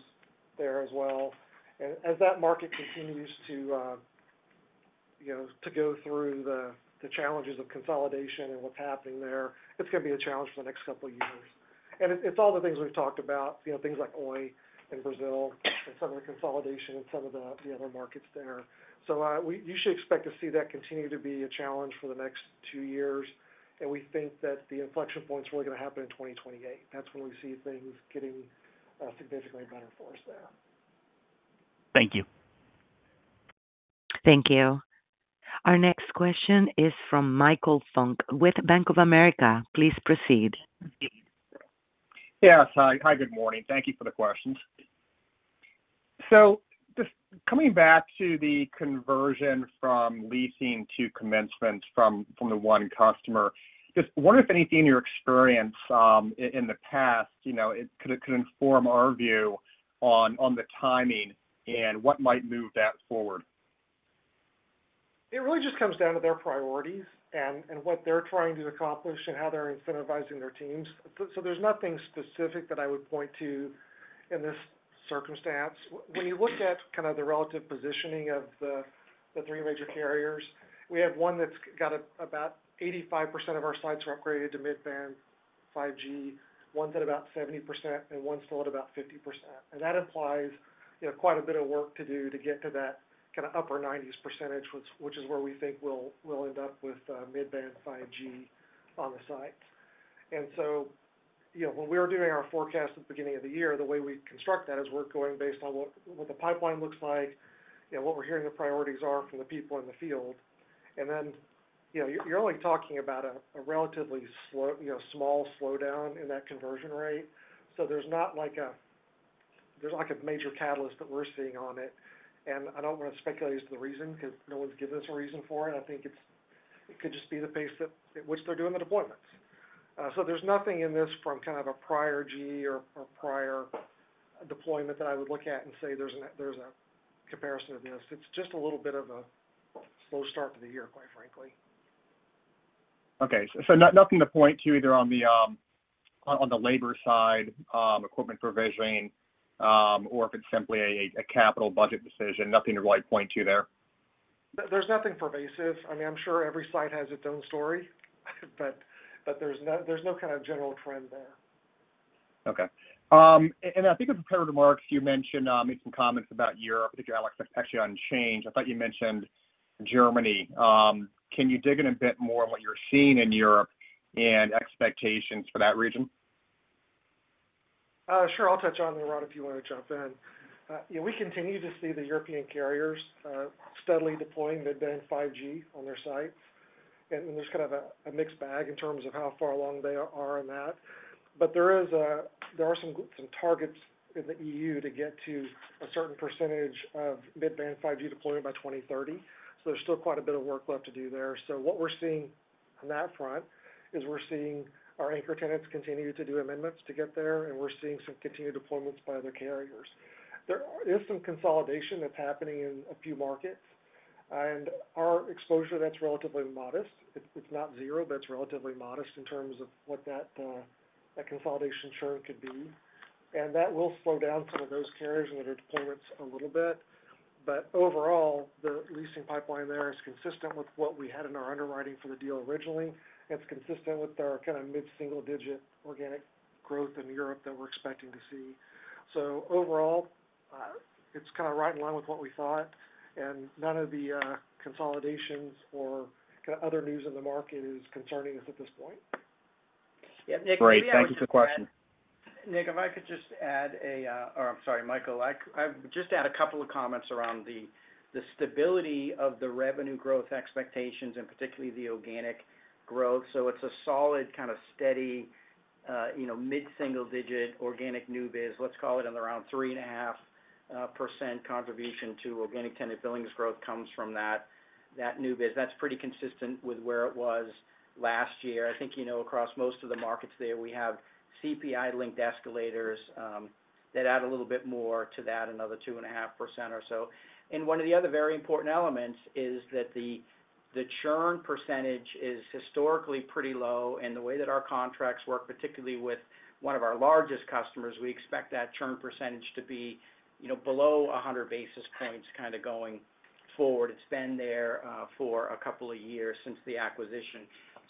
there as well. As that market continues to go through the challenges of consolidation and what's happening there, it's going to be a challenge for the next couple of years. It's all the things we've talked about, things like Oi in Brazil and some of the consolidation in some of the other markets there. You should expect to see that continue to be a challenge for the next two years. We think that the inflection point's really going to happen in 2028. That's when we see things getting significantly better for us there. Thank you. Thank you. Our next question is from Michael Funk with Bank of America. Please proceed. Yes. Hi, good morning. Thank you for the questions. Just coming back to the conversion from leasing to commencement from the one customer, just wondering if anything in your experience in the past could inform our view on the timing and what might move that forward. It really just comes down to their priorities and what they're trying to accomplish and how they're incentivizing their teams. There is nothing specific that I would point to in this circumstance. When you looked at kind of the relative positioning of the three major carriers, we have one that's got about 85% of our sites are upgraded to mid-band 5G, one's at about 70%, and one's still at about 50%. That implies quite a bit of work to do to get to that kind of upper 90 percentage, which is where we think we'll end up with mid-band 5G on the sites. When we were doing our forecast at the beginning of the year, the way we construct that is we're going based on what the pipeline looks like, what we're hearing the priorities are from the people in the field. You're only talking about a relatively small slowdown in that conversion rate. There is not a major catalyst that we're seeing on it. I do not want to speculate as to the reason because no one's given us a reason for it. I think it could just be the pace at which they're doing the deployments. There is nothing in this from kind of a prior G or prior deployment that I would look at and say there's a comparison of this. It's just a little bit of a slow start to the year, quite frankly. Okay. So nothing to point to either on the labor side, equipment provision, or if it's simply a capital budget decision, nothing to really point to there. There's nothing pervasive. I mean, I'm sure every site has its own story, but there's no kind of general trend there. Okay. I think of comparative marks, you mentioned some comments about Europe, which you're actually unchanged. I thought you mentioned Germany. Can you dig in a bit more on what you're seeing in Europe and expectations for that region? Sure. I'll touch on that, Rod, if you want to jump in. We continue to see the European carriers steadily deploying mid-band 5G on their sites. There is kind of a mixed bag in terms of how far along they are in that. There are some targets in the EU to get to a certain percentage of mid-band 5G deployment by 2030. There is still quite a bit of work left to do there. What we're seeing on that front is we're seeing our anchor tenants continue to do amendments to get there, and we're seeing some continued deployments by other carriers. There is some consolidation that's happening in a few markets. Our exposure, that's relatively modest. It's not zero, but it's relatively modest in terms of what that consolidation churn could be. That will slow down some of those carriers and their deployments a little bit. Overall, the leasing pipeline there is consistent with what we had in our underwriting for the deal originally. It's consistent with our kind of mid-single-digit organic growth in Europe that we're expecting to see. Overall, it's kind of right in line with what we thought. None of the consolidations or kind of other news in the market is concerning us at this point. Yeah. Nick, maybe I'll just add. Sorry Michael, I would just add a couple of comments around the stability of the revenue growth expectations and particularly the organic growth. It is a solid, kind of steady, mid-single-digit organic new biz, let's call it, and around 3.5% contribution to organic tenant billings growth comes from that new business. That is pretty consistent with where it was last year. I think across most of the markets there, we have CPI-linked escalators that add a little bit more to that, another 2.5% or so. One of the other very important elements is that the churn percentage is historically pretty low. The way that our contracts work, particularly with one of our largest customers, we expect that churn percentage to be below 100 basis points going forward. It has been there for a couple of years since the acquisition.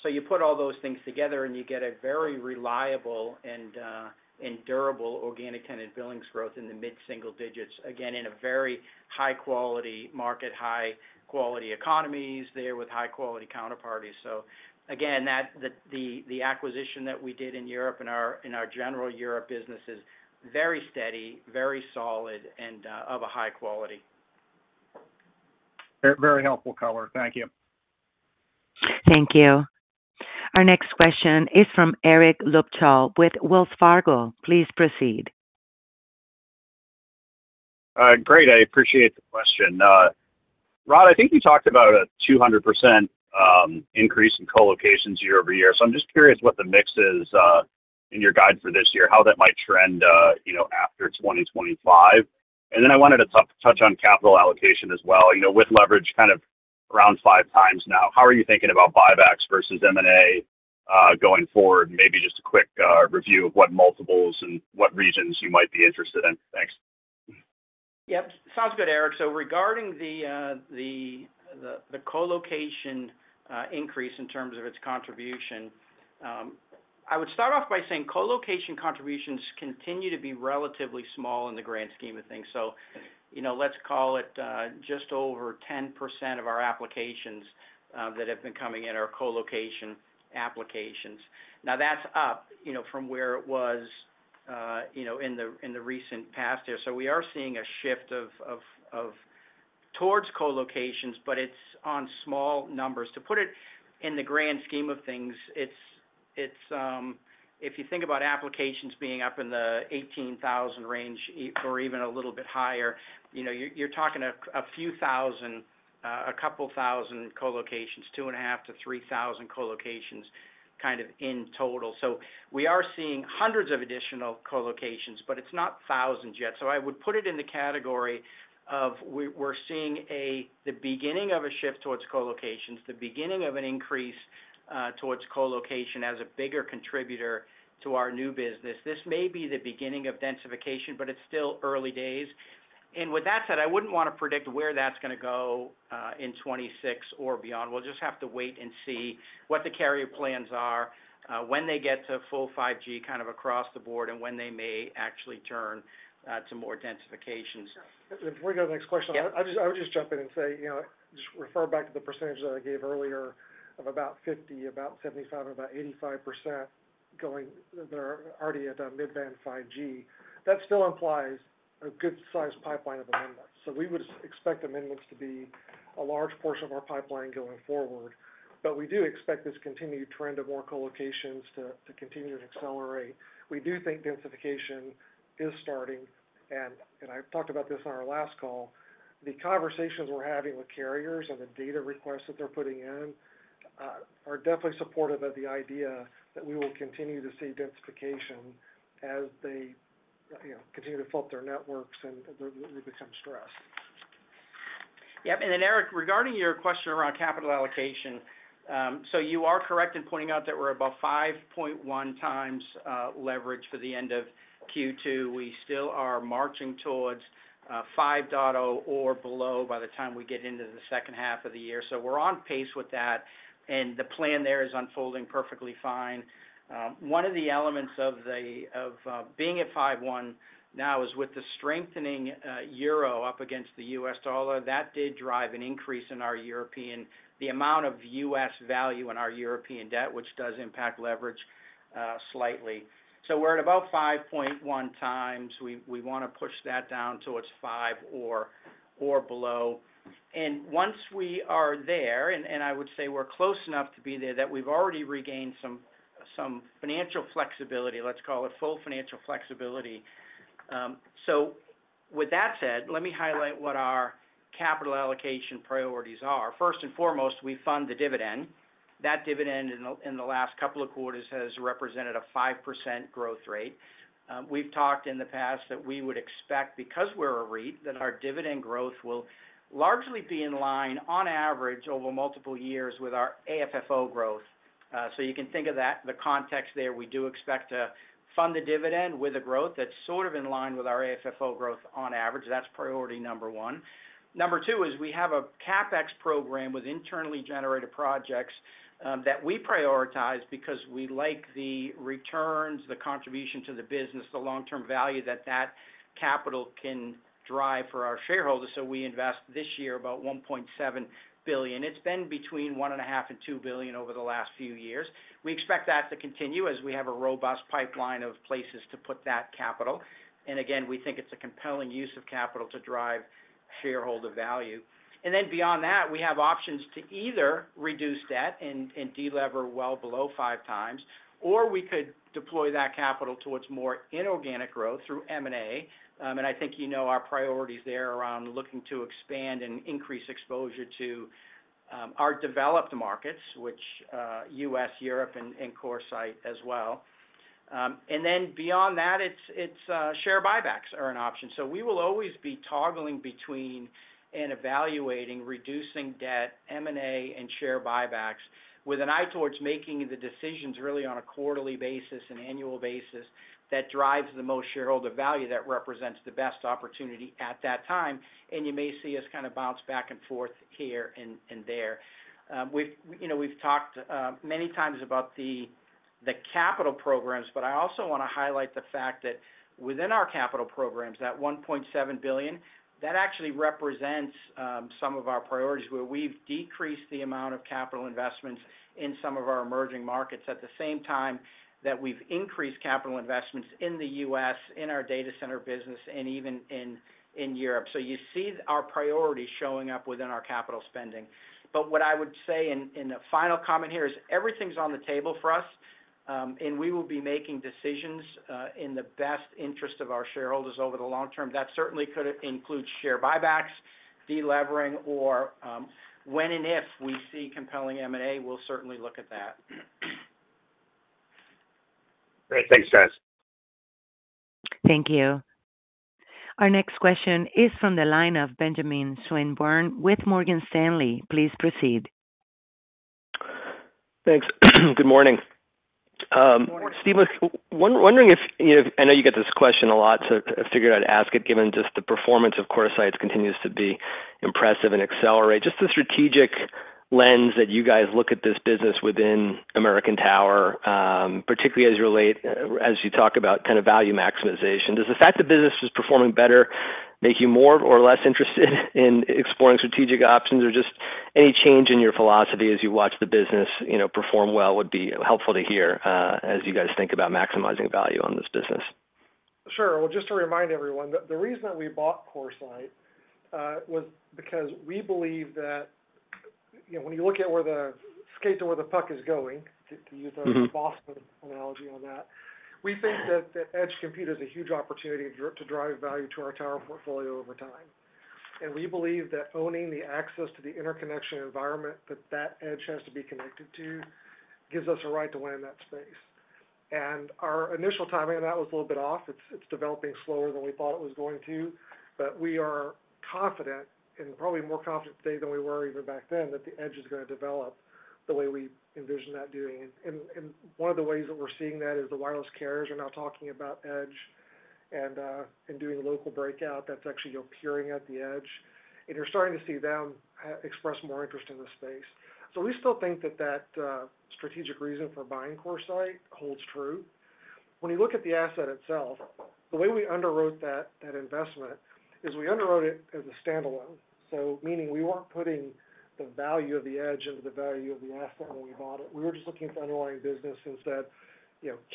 You put all those things together and you get a very reliable and durable organic tenant billings growth in the mid-single digits, again, in a very high-quality market, high-quality economies there with high-quality counterparties. The acquisition that we did in Europe and our general Europe business is very steady, very solid, and of a high quality. Very helpful colour. Thank you. Thank you. Our next question is from Eric Luebchow with Wells Fargo. Please proceed. Great. I appreciate the question. Rod, I think you talked about a 200% increase in colocations year-over-year. I'm just curious what the mix is in your guide for this year, how that might trend after 2025. I wanted to touch on capital allocation as well. With leverage kind of around 5x now, how are you thinking about buybacks versus M&A going forward? Maybe just a quick review of what multiples and what regions you might be interested in. Thanks. Yep. Sounds good, Eric. Regarding the colocation increase in terms of its contribution, I would start off by saying colocation contributions continue to be relatively small in the grand scheme of things. Let's call it just over 10% of our applications that have been coming in are colocation applications. Now, that's up from where it was in the recent past here. We are seeing a shift towards colocations, but it's on small numbers. To put it in the grand scheme of things, if you think about applications being up in the 18,000 range or even a little bit higher, you're talking a few thousand, a couple thousand colocations, 2,500-3,000 colocations kind of in total. We are seeing hundreds of additional colocations, but it's not thousands yet. I would put it in the category of we're seeing the beginning of a shift towards colocations, the beginning of an increase towards colocation as a bigger contributor to our new business. This may be the beginning of densification, but it's still early days. With that said, I wouldn't want to predict where that's going to go in 2026 or beyond. We'll just have to wait and see what the carrier plans are, when they get to full 5G kind of across the board, and when they may actually turn to more densification. Before we go to the next question, I would just jump in and say, just refer back to the percentage that I gave earlier of about 50%, about 75%, and about 85%. They are already at a mid-band 5G. That still implies a good-sized pipeline of amendments. We would expect amendments to be a large portion of our pipeline going forward. We do expect this continued trend of more colocations to continue to accelerate. We do think densification is starting. I talked about this on our last call. The conversations we are having with carriers and the data requests that they are putting in are definitely supportive of the idea that we will continue to see densification as they continue to flood their networks and they become stressed. Yep. And then Eric, regarding your question around capital allocation, you are correct in pointing out that we're about 5.1x leverage for the end of Q2. We still are marching towards 5.0x or below by the time we get into the second half of the year. We're on pace with that. The plan there is unfolding perfectly fine. One of the elements of being at 5.1x now is with the strengthening euro up against the U.S. dollar. That did drive an increase in our European, the amount of U.S. value in our European debt, which does impact leverage slightly. We're at about 5.1x. We want to push that down to 5x or below. Once we are there, and I would say we're close enough to be there that we've already regained some financial flexibility, let's call it full financial flexibility. With that said, let me highlight what our capital allocation priorities are. First and foremost, we fund the dividend. That dividend in the last couple of quarters has represented a 5% growth rate. We've talked in the past that we would expect, because we're a REIT, that our dividend growth will largely be in line, on average, over multiple years with our AFFO growth. You can think of that, the context there. We do expect to fund the dividend with a growth that's sort of in line with our AFFO growth on average. That's priority number one. Number two is we have a CapEx program with internally generated projects that we prioritize because we like the returns, the contribution to the business, the long-term value that that capital can drive for our shareholders. We invest this year about $1.7 billion. It's been between $1.5 billion and $2 billion over the last few years. We expect that to continue as we have a robust pipeline of places to put that capital. Again, we think it's a compelling use of capital to drive shareholder value. Beyond that, we have options to either reduce debt and delever well below 5x, or we could deploy that capital towards more inorganic growth through M&A. I think you know our priorities there around looking to expand and increase exposure to our developed markets, which are U.S., Europe, and CoreSite as well. Beyond that, share buybacks are an option. We will always be toggling between and evaluating reducing debt, M&A, and share buybacks with an eye towards making the decisions really on a quarterly basis and annual basis that drives the most shareholder value that represents the best opportunity at that time. You may see us kind of bounce back and forth here and there. We've talked many times about the capital programs, but I also want to highlight the fact that within our capital programs, that $1.7 billion actually represents some of our priorities where we've decreased the amount of capital investments in some of our emerging markets at the same time that we've increased capital investments in the U.S., in our data center business, and even in Europe. You see our priorities showing up within our capital spending. What I would say in the final comment here is everything's on the table for us. We will be making decisions in the best interest of our shareholders over the long term. That certainly could include share buybacks, delevering, or when and if we see compelling M&A, we'll certainly look at that. Great. Thanks, Smith. Thank you. Our next question is from the line of Benjamin Swinburne with Morgan Stanley. Please proceed. Thanks. Good morning. Steven, wondering if I know you get this question a lot, so I figured I'd ask it given just the performance of CoreSite continues to be impressive and accelerate. Just the strategic lens that you guys look at this business within American Tower, particularly as you talk about kind of value maximization. Does the fact the business is performing better make you more or less interested in exploring strategic options, or just any change in your philosophy as you watch the business perform well would be helpful to hear as you guys think about maximizing value on this business? Sure. Just to remind everyone, the reason that we bought CoreSite was because we believe that. When you look at where the skate to where the puck is going, to use the Boston analogy on that, we think that edge compute is a huge opportunity to drive value to our tower portfolio over time. We believe that owning the access to the interconnection environment that that edge has to be connected to gives us a right to win in that space. Our initial timing on that was a little bit off. It is developing slower than we thought it was going to. We are confident, and probably more confident today than we were even back then, that the edge is going to develop the way we envision that doing. One of the ways that we are seeing that is the wireless carriers are now talking about edge and doing a local breakout that is actually appearing at the edge. You are starting to see them express more interest in the space. We still think that that strategic reason for buying CoreSite holds true. When you look at the asset itself, the way we underwrote that investment is we underwrote it as a standalone. Meaning we were not putting the value of the edge into the value of the asset when we bought it. We were just looking at the underlying business and said,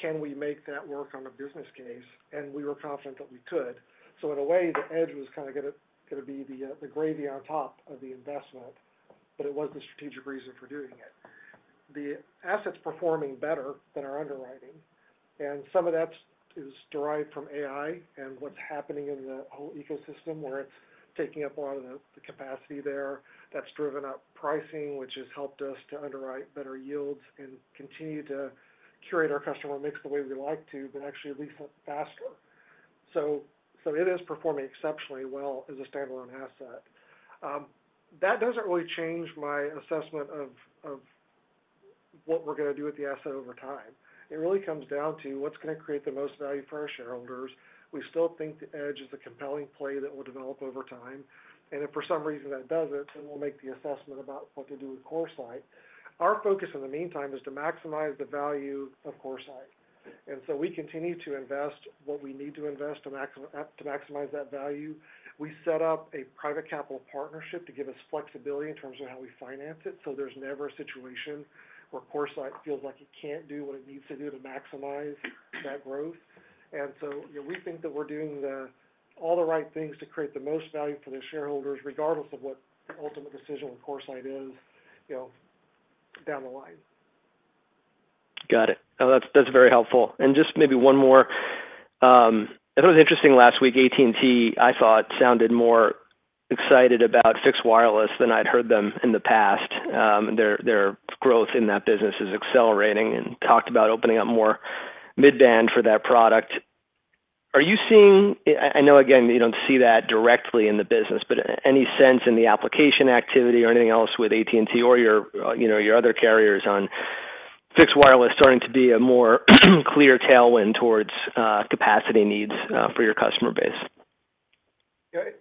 can we make that work on a business case? We were confident that we could. In a way, the edge was kind of going to be the gravy on top of the investment, but it was the strategic reason for doing it. The asset is performing better than our underwriting. Some of that is derived from AI and what is happening in the whole ecosystem where it is taking up a lot of the capacity there. That has driven up pricing, which has helped us to underwrite better yields and continue to curate our customer mix the way we like to, but actually at least faster. It is performing exceptionally well as a standalone asset. That does not really change my assessment of what we are going to do with the asset over time. It really comes down to what is going to create the most value for our shareholders. We still think the edge is a compelling play that will develop over time. If for some reason that does not, then we will make the assessment about what to do with CoreSite. Our focus in the meantime is to maximize the value of CoreSite. We continue to invest what we need to invest to maximize that value. We set up a private capital partnership to give us flexibility in terms of how we finance it. There is never a situation where CoreSite feels like it cannot do what it needs to do to maximize that growth. We think that we are doing all the right things to create the most value for the shareholders, regardless of what the ultimate decision with CoreSite is down the line. Got it. That's very helpful. Just maybe one more. I thought it was interesting last week, AT&T, I thought, sounded more excited about fixed wireless than I'd heard them in the past. Their growth in that business is accelerating and talked about opening up more mid-band for that product. Are you seeing, I know, again, you don't see that directly in the business, but any sense in the application activity or anything else with AT&T or your other carriers on fixed wireless starting to be a more clear tailwind towards capacity needs for your customer base?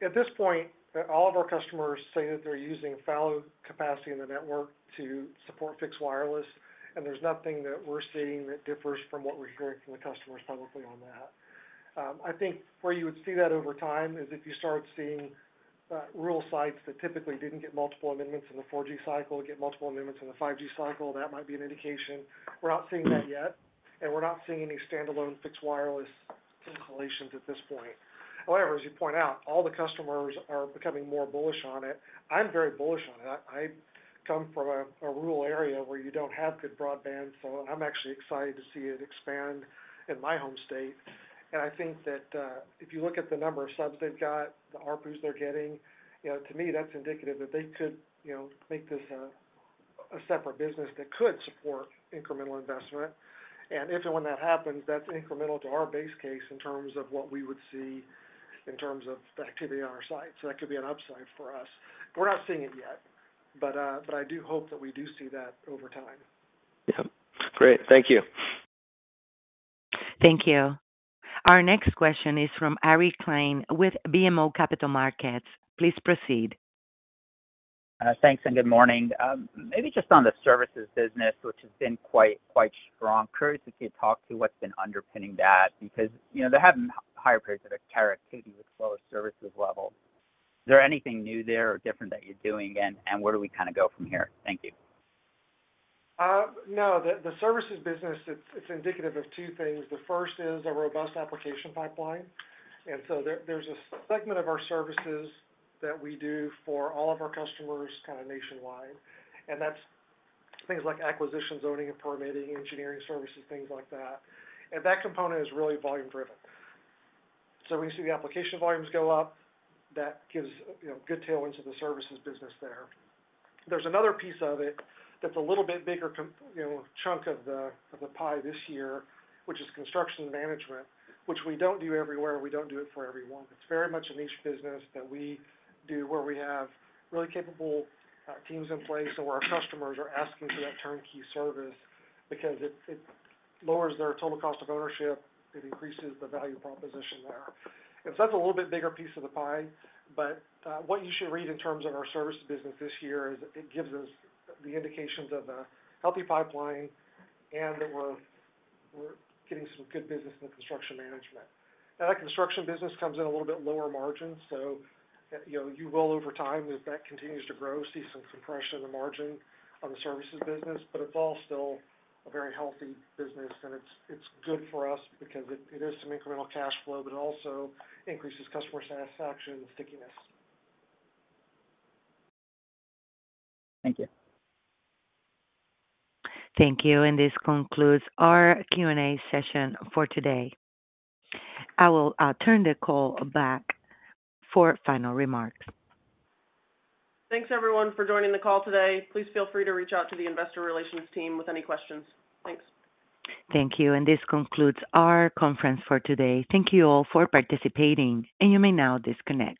At this point, all of our customers say that they're using fallow capacity in the network to support fixed wireless. There's nothing that we're seeing that differs from what we're hearing from the customers publicly on that. I think where you would see that over time is if you start seeing real sites that typically did not get multiple amendments in the 4G cycle get multiple amendments in the 5G cycle, that might be an indication. We're not seeing that yet. We're not seeing any standalone fixed wireless installations at this point. However, as you point out, all the customers are becoming more bullish on it. I'm very bullish on it. I come from a rural area where you do not have good broadband, so I'm actually excited to see it expand in my home state. I think that if you look at the number of subs they've got, the ARPUs they're getting, to me, that's indicative that they could make this a separate business that could support incremental investment. If and when that happens, that's incremental to our base case in terms of what we would see in terms of the activity on our site. That could be an upside for us. We're not seeing it yet, but I do hope that we do see that over time. Yeah. Great. Thank you. Thank you. Our next question is from Ari Klein with BMO Capital Markets. Please proceed. Thanks and good morning. Maybe just on the services business, which has been quite strong. Curious if you could talk to what's been underpinning that because they're having higher periods of activity with slower services levels. Is there anything new there or different that you're doing, and where do we kind of go from here? Thank you. No, the services business, it's indicative of two things. The first is a robust application pipeline. There is a segment of our services that we do for all of our customers kind of nationwide. That is things like acquisitions, owning, and permitting, engineering services, things like that. That component is really volume-driven. We see the application volumes go up. That gives a good tailwind to the services business there. There is another piece of it that is a little bit bigger chunk of the pie this year, which is construction management, which we do not do everywhere. We do not do it for everyone. It is very much a niche business that we do where we have really capable teams in place and where our customers are asking for that turnkey service because it lowers their total cost of ownership. It increases the value proposition there. That is a little bit bigger piece of the pie. What you should read in terms of our services business this year is it gives us the indications of a healthy pipeline and that we are getting some good business in construction management. Now, that construction business comes in a little bit lower margin. You will, over time, if that continues to grow, see some compression in the margin on the services business. It is all still a very healthy business, and it is good for us because it is some incremental cash flow, but it also increases customer satisfaction and stickiness. Thank you. Thank you. This concludes our Q&A session for today. I will turn the call back for final remarks. Thanks, everyone, for joining the call today. Please feel free to reach out to the investor relations team with any questions. Thanks. Thank you. This concludes our conference for today. Thank you all for participating, and you may now disconnect.